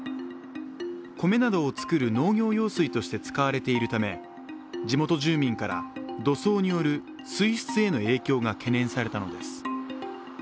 米などを作る農業用水として使われているため地元住民から土葬による水質への影響が懸念されたのです。